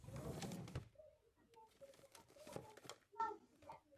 ګل منصور یاغستان ته ولاړ.